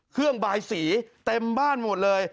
เครื่องบ่ายสีเต็มบ้านหมดเลย